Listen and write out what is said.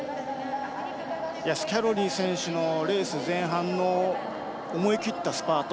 スキャローニ選手のレース前半の思い切ったスパート。